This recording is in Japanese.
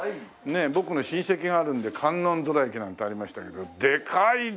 ねえ僕の親戚があるんで観音どら焼きなんてありましたけどでかいですね。